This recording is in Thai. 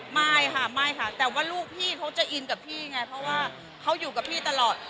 ไม่ค่ะไม่ค่ะแต่ว่าลูกพี่เขาจะอินกับพี่ไงเพราะว่าเขาอยู่กับพี่ตลอด